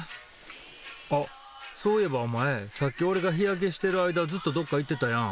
あっそういえばおまえさっきおれが日焼けしてる間ずっとどっか行ってたやん。